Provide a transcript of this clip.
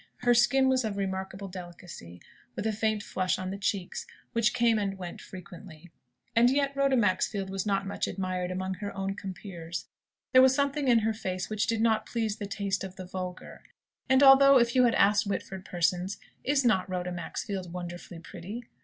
Her skin was of remarkable delicacy, with a faint flush on the cheeks, which came and went frequently. And yet Rhoda Maxfield was not much admired among her own compeers. There was something in her face which did not please the taste of the vulgar. And although, if you had asked Whitford persons "Is not Rhoda Maxfield wonderfully pretty?"